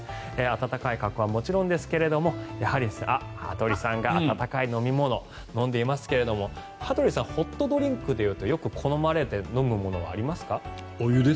暖かい格好はもちろんですが羽鳥さんが温かい飲み物を飲んでいますが羽鳥さんホットドリンクというと好まれてよく飲むものはありますか。